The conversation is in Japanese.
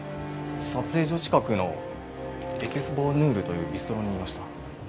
撮影所近くのエピスボヌールというビストロにいました。